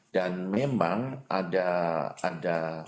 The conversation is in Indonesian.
dan memang ada